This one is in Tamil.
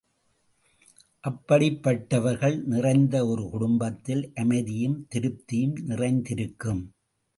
அப்படிப்பட்டவர்கள் நிறைந்த ஒரு குடும்பத்தில் அமைதியும், திருப்தியும் நிறைந்திருக்கும்.